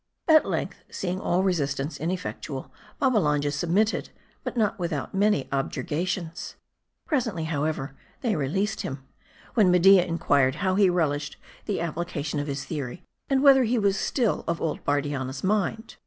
At length, seeing all resistance ineffectual, Babbalanja submitted ; but not without many objurgations. Presently, however, they released him ; when Media in *K! MARDI. 365 quired, how he relished the application of his theory ; and whether he was still of old Bardianna's mind